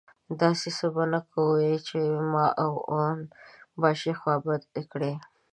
داسې څه به نه کوې چې ما او اون باشي خوابدي کړي.